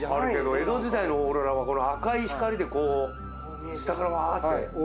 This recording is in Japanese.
江戸時代のオーロラはこの赤い光でこう下からワーッて。